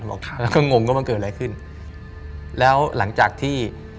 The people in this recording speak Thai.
บอกแล้วก็งงว่ามันเกิดอะไรขึ้นแล้วหลังจากที่